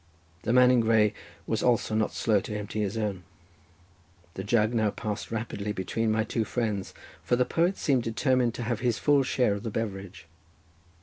The man in grey was also not slow to empty his own. The jug now passed rapidly between my two friends, for the poet seemed determined to have his full share of the beverage.